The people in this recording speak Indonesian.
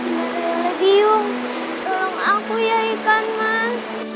kadium tolong aku ya ikan mas